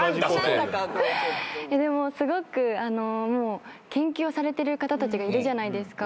でもすごく研究をされてる方たちがいるじゃないですか。